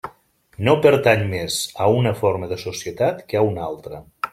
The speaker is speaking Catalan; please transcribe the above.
No pertany més a una forma de societat que a una altra.